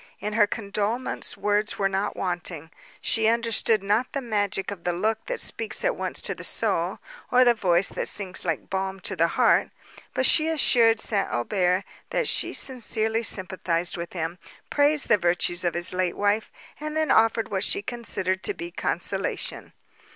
In her condolements, words were not wanting; she understood not the magic of the look that speaks at once to the soul, or the voice that sinks like balm to the heart: but she assured St. Aubert that she sincerely sympathised with him, praised the virtues of his late wife, and then offered what she considered to be consolation.